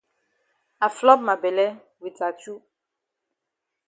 I flop ma bele wit achu.